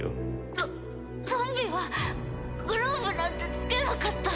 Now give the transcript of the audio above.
ゾゾンビはグローブなんて着けなかった。